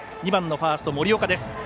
２番のファースト、森岡です。